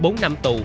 bốn năm tù